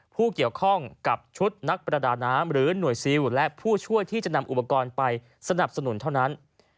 ผู้เกี่ยวข้องกับชุดนักประดาน้ำหรือหน่วยซิลและผู้ช่วยที่จะนำอุปกรณ์ไปสนับสนุนเท่านั้น